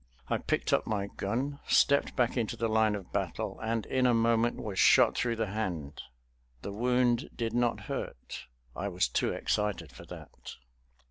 I picked up my gun, stepped back into the line of battle, and in a moment was shot through the hand. The wound did not hurt; I was too excited for that.